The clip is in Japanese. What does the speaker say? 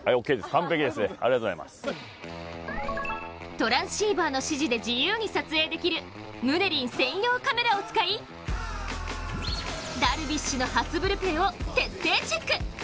トランシーバーの指示で自由に撮影できるムネリン専用カメラを使いダルビッシュの初ブルペンを徹底チェック。